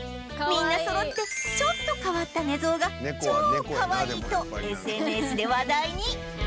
みんなそろってちょっと変わった寝相が超かわいいと ＳＮＳ で話題に